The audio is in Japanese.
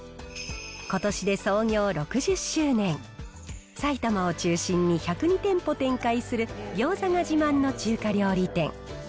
ことしで創業６０周年、埼玉を中心に１０２店舗展開する、ギョーザが自慢の中華料理店。